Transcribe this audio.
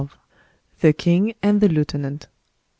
The King and the Lieutenant.